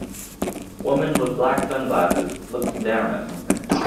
Woman with black sunglasses looks down at something